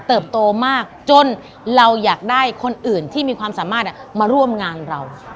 โตมากจนเราอยากได้คนอื่นที่มีความสามารถมาร่วมงานเรา